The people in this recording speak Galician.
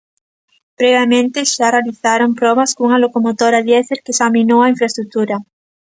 Previamente, xa realizaran probas cunha locomotora diésel que examinou a infraestrutura.